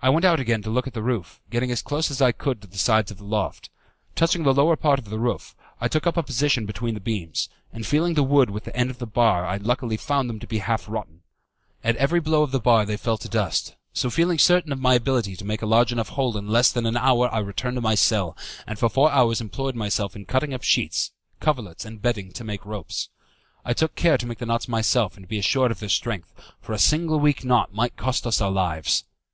I went out again to look at the roof, getting as close as I could to the sides of the loft. Touching the lower part of the roof, I took up a position between the beams, and feeling the wood with the end of the bar I luckily found them to be half rotten. At every blow of the bar they fell to dust, so feeling certain of my ability to make a large enough hole in less than a hour I returned to my cell, and for four hours employed myself in cutting up sheets, coverlets, and bedding, to make ropes. I took care to make the knots myself and to be assured of their strength, for a single weak knot might cost us our lives.